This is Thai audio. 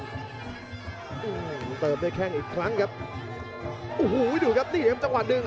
อื้อเติบได้แข้งอีกครั้งครับอูหูดูครับนี่แหลมจังหวัดดึง